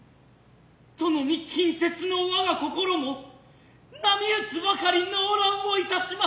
殿に金鉄の我が心も波打つばかり悩乱をいたします。